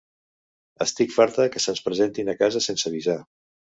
Estic farta que se'ns presentin a casa sense avisar.